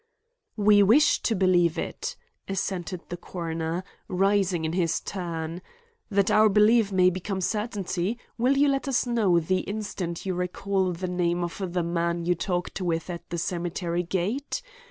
"We wish to believe it," assented the coroner, rising in his turn. "That our belief may become certainty, will you let us know, the instant you recall the name of the man you talked with at the cemetery gate?